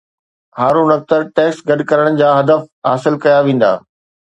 Haroon Akhtar tax گڏ ڪرڻ جا هدف حاصل ڪيا ويندا